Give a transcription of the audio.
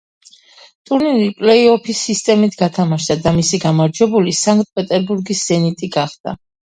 ტურნირი პლეი-ოფის სისტემით გათამაშდა და მისი გამარჯვებული სანქტ-პეტერბურგის „ზენიტი“ გახდა.